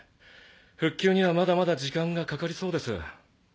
復旧にはまだまだ時間がかかりそうです。